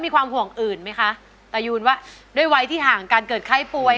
ความห่วงอื่นไหมคะตายูนว่าด้วยวัยที่ห่างการเกิดไข้ป่วย